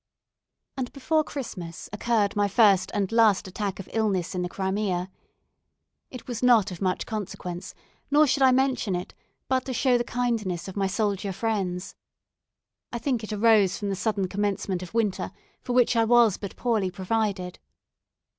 And before Christmas, occurred my first and last attack of illness in the Crimea. It was not of much consequence, nor should I mention it but to show the kindness of my soldier friends. I think it arose from the sudden commencement of winter, for which I was but poorly provided.